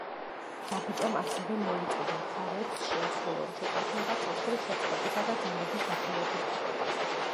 საბჭომ ასევე მოუწოდა მხარეებს, შეასრულონ შეთანხმება ცეცხლის შეწყვეტისა და ძალების დაშორების თაობაზე.